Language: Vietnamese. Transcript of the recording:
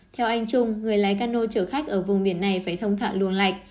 theo anh trung người lái cano chở khách ở vùng biển này phải thông thạ luồng lạch